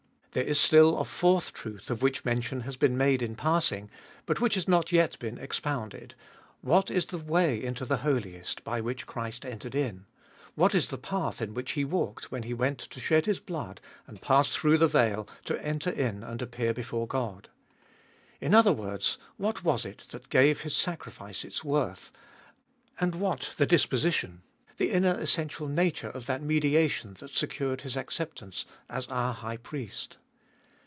There is still a fourth truth of which mention has been made in passing, but which has not yet been expounded, What is the way into the Holiest, by which Christ entered in? What is the path in which He walked when He went to shed His blood and pass through the veil to enter in and appear before God ? In other words, what was it that gave His sacrifice its worth, and what the 328 Ebe Ibolfest of BU disposition, the inner essential nature of that mediation that secured His acceptance as our High Priest.